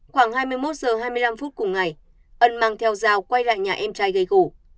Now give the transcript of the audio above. khoảng hai mươi một h hai mươi năm phút cùng ngày ân mang theo dao quay lại nhà em trai gây gỗ